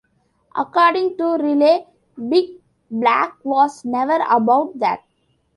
According to Riley, Big Black was never about that.